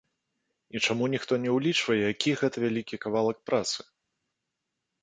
І чаму ніхто не ўлічвае, які гэта вялікі кавалак працы?